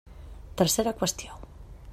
Tercera qüestió.